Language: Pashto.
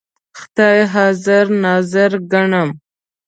خدای حاضر ناظر ګڼم.